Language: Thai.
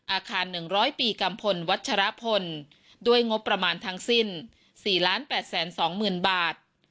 อาคาร๑๐๐ปีกัมพลวัชรพลด้วยงบประมาณทั้งสิ้น๔๘๒๐๐๐บาท